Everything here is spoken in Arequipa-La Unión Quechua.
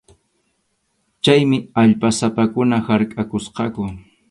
Chaymi allpasapakuna harkʼakusqaku.